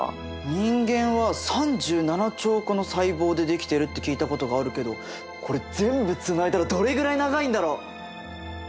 人間は３７兆個の細胞でできてるって聞いたことがあるけどこれ全部つないだらどれぐらい長いんだろ？